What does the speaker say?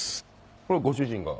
これご主人が？